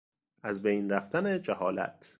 از بین رفتن جهالت